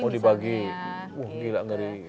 oh dibagi gila ngeri